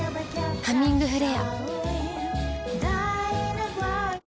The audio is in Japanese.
「ハミングフレア」